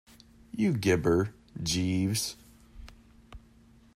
You gibber, Jeeves.